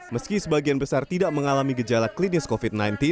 meski sebagian besar tidak mengalami gejala klinis covid sembilan belas